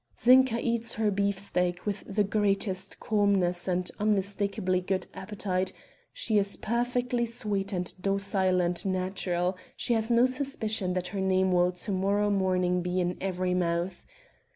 Zinka eats her beef steak with the greatest calmness and an unmistakably good appetite; she is perfectly sweet and docile and natural; she has no suspicion that her name will to morrow morning be in every mouth.